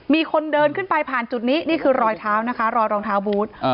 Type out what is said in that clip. มีคนเดินขึ้นไปผ่านจุดนี้นี่คือรอยเท้านะคะรอยรองเท้าบูธ